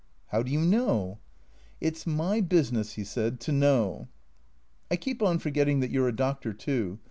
" How do you know ?"" It 's my business," he said, " to know." " I keep on forgetting that you 're a doctor too."